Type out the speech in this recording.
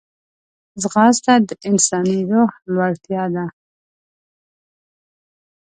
ځغاسته د انساني روح لوړتیا ده